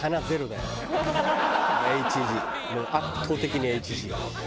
もう圧倒的にＨＧ。